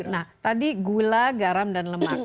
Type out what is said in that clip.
nah tadi gula garam dan lemak